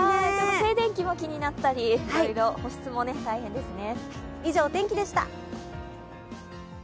静電気も気になったり、保湿もいろいろ大変ですね。